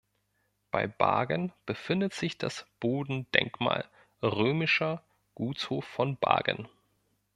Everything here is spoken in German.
Bei Bargen befindet sich das Bodendenkmal Römischer Gutshof von Bargen.